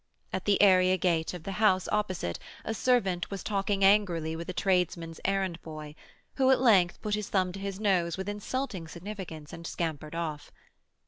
At the area gate of the house opposite a servant was talking angrily with a tradesman's errand boy, who at length put his thumb to his nose with insulting significance and scampered off.